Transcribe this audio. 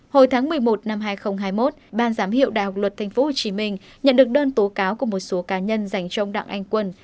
hồi tháng một mươi một năm hai nghìn hai mươi một ban giám hiệu đại học luật tp hcm nhận được đơn tố cáo của một số cá nhân dành cho ông đặng anh quân